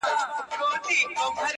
هغه د هر مسجد و څنگ ته ميکدې جوړي کړې~